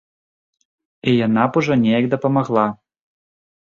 І яна б ужо неяк дапамагла.